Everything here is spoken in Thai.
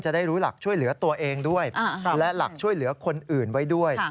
ได้รู้หลักช่วยเหลือตัวเองด้วยและหลักช่วยเหลือคนอื่นไว้ด้วย